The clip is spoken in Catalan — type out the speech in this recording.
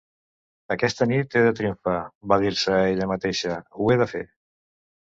"Aquesta nit he de triomfar," va dir-se a ella mateixa. "Ho he de fer!".